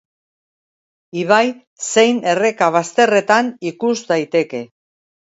Ibai zein erreka bazterretan ikus daiteke.